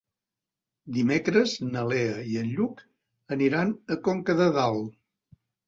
Dimecres na Lea i en Lluc aniran a Conca de Dalt.